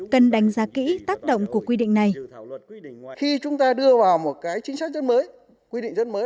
cần đánh giá kỹ tác động của quy định này